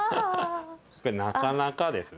これなかなかですね。